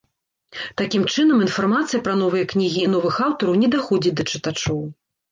Такім чынам, інфармацыя пра новыя кнігі і новых аўтараў не даходзіць да чытачоў.